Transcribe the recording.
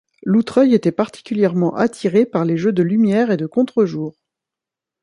Loutreuil était particulièrement attiré par les jeux de lumière et de contre-jour.